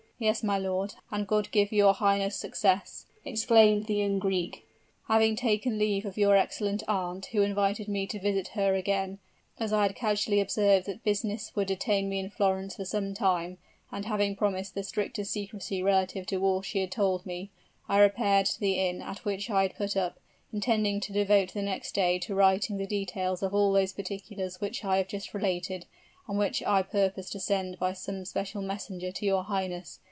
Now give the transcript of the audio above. "Yes, my lord, and God give your highness success!" exclaimed the young Greek. "Having taken leave of your excellent aunt, who invited me to visit her again, as I had casually observed that business would detain me in Florence for some time, and having promised the strictest secrecy relative to all she had told me, I repaired to the inn at which I had put up, intending to devote the next day to writing the details of all those particulars which I have just related, and which I purposed to send by some special messenger to your highness.